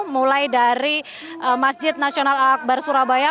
mulai dari masjid nasional akbar surabaya